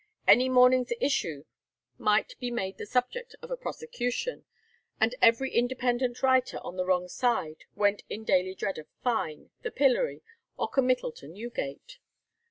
Any morning's issue might be made the subject of a prosecution, and every independent writer on the wrong side went in daily dread of fine, the pillory, or committal to Newgate.